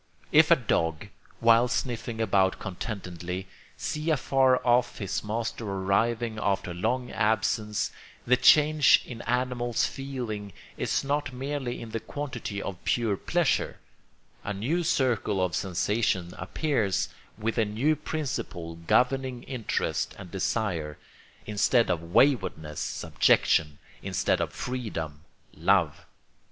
If a dog, while sniffing about contentedly, sees afar off his master arriving after long absence, the change in the animal's feeling is not merely in the quantity of pure pleasure; a new circle of sensations appears, with a new principle governing interest and desire; instead of waywardness subjection, instead of freedom love.